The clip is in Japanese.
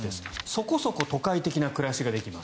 そこそこ都会的な暮らしができます。